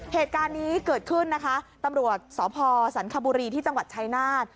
เหตุการณ์นี้เกิดขึ้นนะคะตำรวจสพสันคบุรีที่จังหวัดชายนาฏ